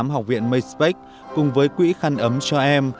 học viện myspace cùng với quỹ khăn ấm cho em